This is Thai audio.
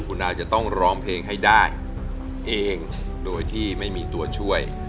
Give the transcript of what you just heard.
คุณอาจะต้องร้องเพลงให้ได้เองโดยที่ไม่มีตัวช่วย